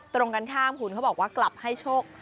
ตรงกันข้ามคุณเขาบอกว่ากลับให้โชค